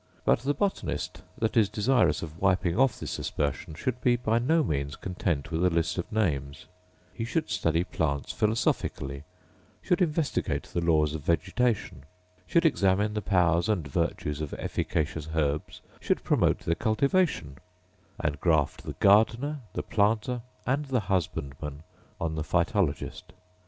But the botanist that is desirous of wiping off this aspersion should be by no means content with a list of names; he should study plants philosophically, should investigate the laws of vegetation, should examine the powers and virtues of efficacious herbs, should promote their cultivation; and graft the gardener, the planter, and the husbandman, on the phytologist.